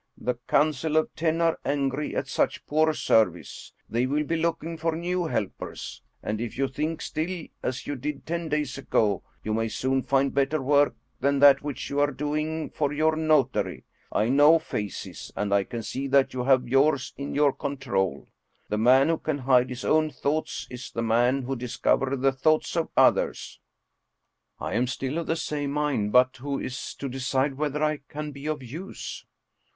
The Council of Ten are angry at such poor service. They will be looking for new helpers. And if you think still as you did ten days ago, you may soon find better work than that which you are doing for your notary. I know faces, and I can see that you have yours in your control. The man who can hide his own thoughts is the man to discover the thoughts of others." " I am still of the same mind. But who is to decide whether I can be of use?"